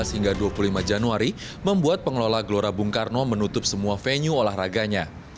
dua belas hingga dua puluh lima januari membuat pengelola gelora bung karno menutup semua venue olahraganya